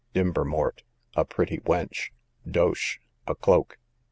Dimbermort, a pretty wench. Doash, a cloak.